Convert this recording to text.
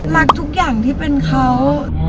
รักทุกอย่างที่เป็นเขา